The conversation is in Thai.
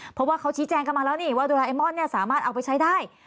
เพราะว่าเขาชี้แจงกันมาแล้วว่าโดรายมอสสามารถเอาไปใช้ได้